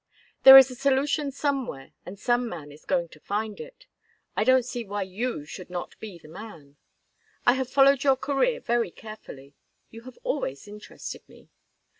There is a solution somewhere and some man is going to find it. I don't see why you should not be the man. I have followed your career very carefully you have always interested me.